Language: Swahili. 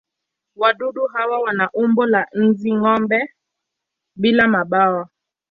Wadudu hawa wana umbo wa nzi-gome bila mabawa.